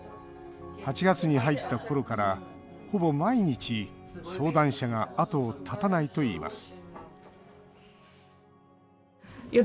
８月に入った頃からほぼ毎日相談者が後を絶たないといいます